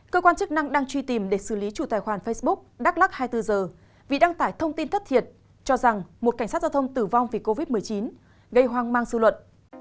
cơ quan chức năng đang truy tìm để xử lý chủ tài khoản facebook đắk lắc hai mươi bốn h vì đăng tải thông tin thất thiệt cho rằng một cảnh sát giao thông tử vong vì covid một mươi chín gây hoang mang dư luận